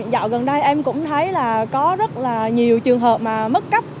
dạo gần đây em cũng thấy là có rất là nhiều trường hợp mà mất cấp